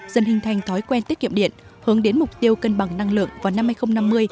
dần hình thành thói quen tiết kiệm điện hướng đến mục tiêu cân bằng năng lượng vào năm hai nghìn năm mươi